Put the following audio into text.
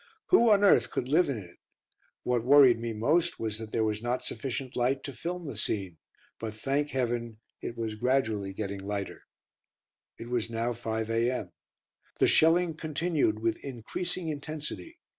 Who on earth could live in it? What worried me most was that there was not sufficient light to film the scene; but, thank Heaven, it was gradually getting lighter. It was now 5 a.m. The shelling continued with increasing intensity.